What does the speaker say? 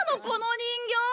この人形！